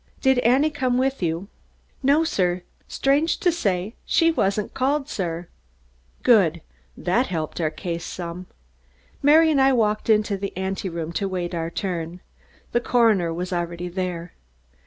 "Did Annie come with you?" "No, sir. Strange to say she wasn't called, sir." Good! That helped our case some. Mary and I walked into the anteroom to await our turn. The coroner was already there.